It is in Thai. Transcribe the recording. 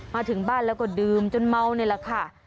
มาถึงบ้านแล้วก็ดื่มจนเมานี่แหละค่ะ